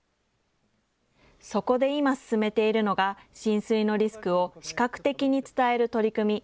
そこで今進めているのが、浸水のリスクを視覚的に伝える取り組み。